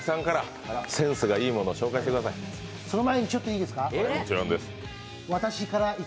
その前にちょっといいですか？